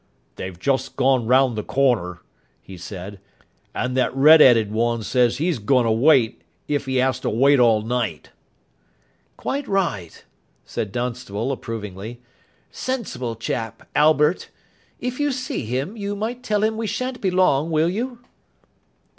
"They've just gone round the corner," he said, "and that red 'eaded one 'e says he's goin' to wait if he 'as to wait all night." "Quite right," said Dunstable, approvingly. "Sensible chap, Albert. If you see him, you might tell him we shan't be long, will you?"